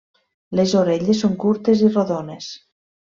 Les orelles són curtes i rodones.